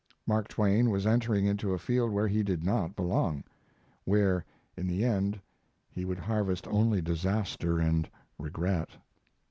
Mark Twain was entering into a field where he did not belong; where in the end he would harvest only disaster and regret.